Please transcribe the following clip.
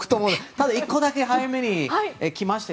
ただ、１個だけ早めに来まして。